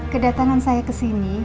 kedatangan saya kesini